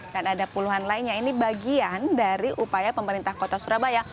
dan ada puluhan lainnya ini bagian dari upaya pemerintah kota surabaya